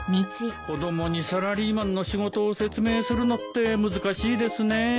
子供にサラリーマンの仕事を説明するのって難しいですね。